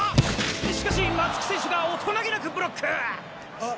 しかし松木選手が大人げなくブロック！あっ！